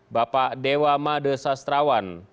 bapak dewa made sastrawan